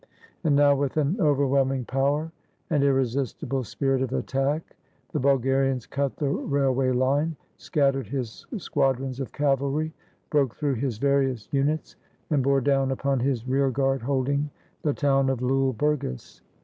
And now, with an overwhelming power and irresistible spirit of attack, the Bulgarians cut the railway line, scattered his squadrons of cavalry, broke through his various units, and bore down upon his rear guard holding the town of Lule Burgas.